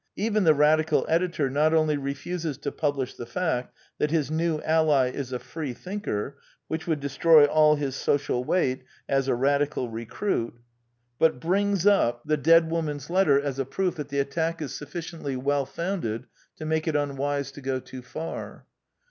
Even the Radical editor not only refuses to publish the fact that his new ally is a Freethinker (which would destroy all his social weight as a Radical recruit), hut brings up 1 1 8 The Quintessence of Ibsenism the dead woman's letter as a proof that the attack is sufficiently well founded to make it unwise to go too far.